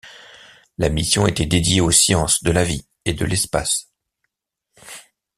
La mission était dédiée aux sciences de la vie et de l’espace.